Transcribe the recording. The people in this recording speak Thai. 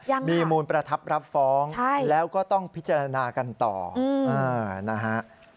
มีมูลประทับรับฟ้องแล้วก็ต้องพิจารณากันต่อนะฮะ